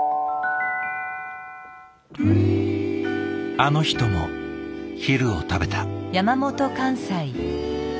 あの人も昼を食べた。